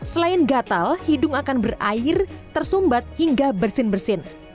selain gatal hidung akan berair tersumbat hingga bersin bersin